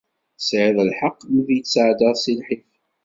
Tesɛiḍ lḥeqq mi iyi-d-tesɛeddaḍ si lḥif.